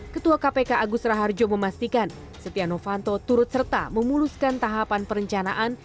ketua kpk agus raharjo memastikan setia novanto turut serta memuluskan tahapan perencanaan